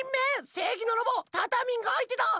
せいぎのロボタタミンがあいてだ！